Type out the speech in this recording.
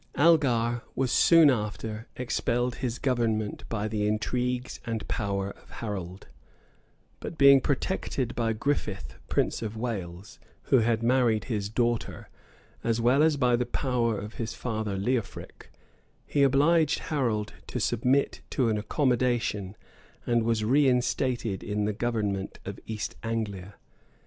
[* See note E, at the end of the volume.] [ Brompton, p. 918] Algar was soon after expelled his government by the intrigues and power of Harold; but being protected by Griffith, prince of Wales, who had married his daughter, as well as by the power of his father Leofric, he obliged Harold to submit to an accommodation, and was reinstated in the government of East Anglia.